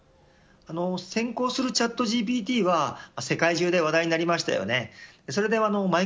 先行するチャットＧＰＴは世界中で話題になりましたよね。